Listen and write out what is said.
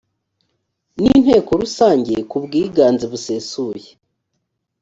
n inteko rusange ku bwiganze busesuye